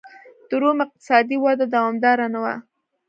د روم اقتصادي وده دوامداره نه وه